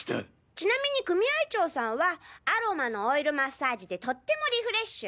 ちなみに組合長さんはアロマのオイルマッサージでとってもリフレッシュ！